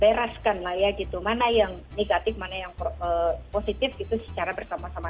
bereskan lah ya gitu mana yang negatif mana yang positif itu secara bersama sama